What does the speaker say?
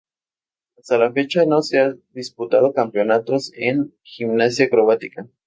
Hasta la fecha, no se han disputado campeonatos en gimnasia acrobática.